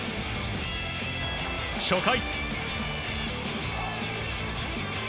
初回。